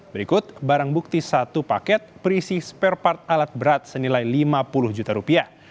berikut barang bukti satu paket berisi spare part alat berat senilai lima puluh juta rupiah